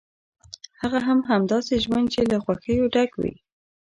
هغه هم داسې ژوند چې له خوښیو ډک وي.